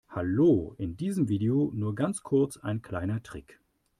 Hallo, in diesem Video nur ganz kurz ein kleiner Trick.